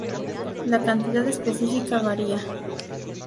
La cantidad específica varía.